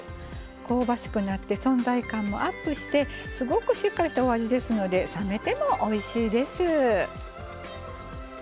香ばしくなって存在感もアップしてすごくしっかりしたお味ですので冷めてもおいしいです。